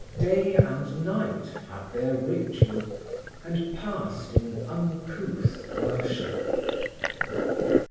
Day and night had their ritual, and passed in uncouth worship.